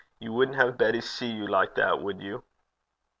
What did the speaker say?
'You wouldn't have Betty see you like that, would you?'